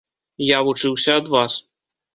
Я вучыўся ад вас.